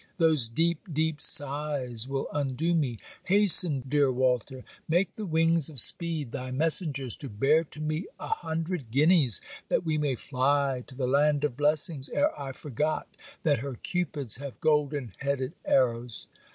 Those deep deep sighs will undo me! Hasten, dear Walter, make the wings of speed thy messengers to bear to me a hundred guineas, that we may fly to the land of blessings ere I forgot that her cupids have golden headed arrows.